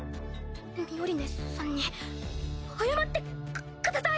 ミオリネさんに謝ってくください！